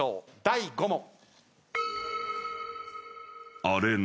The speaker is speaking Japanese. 第５問。